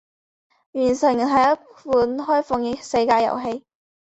《原神》是一款开放世界游戏。